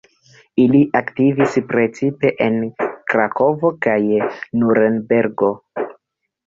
Li aktivis precipe en Krakovo kaj Nurenbergo.